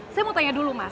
saya mau tanya dulu mas